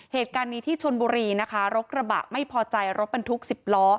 เหตุการณ์นี้ที่ชนบุรีนะคะรถกระบะไม่พอใจรถบรรทุกสิบล้อ